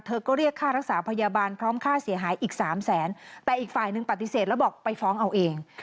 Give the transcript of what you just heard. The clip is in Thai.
ก็เรียกค่ารักษาพยาบาลพร้อมค่าเสียหายอีกสามแสนแต่อีกฝ่ายหนึ่งปฏิเสธแล้วบอกไปฟ้องเอาเอง